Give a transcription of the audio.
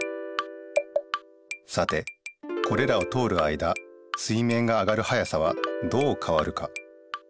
さてこれらを通るあいだ水面が上がる速さはどう変わるか？